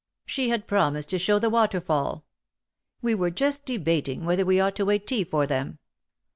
She had promised to show the waterfall. We were just debating whether we ought to wait tea for them.